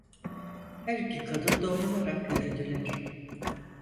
Her iki kadın doğrularak yürüdüler.